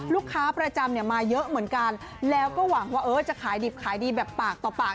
ลูกค้าประจำเนี่ยมาเยอะเหมือนกันแล้วก็หวังว่าเออจะขายดิบขายดีแบบปากต่อปาก